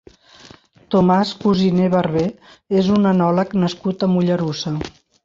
Tomàs Cusiné Barber és un enòleg nascut a Mollerussa.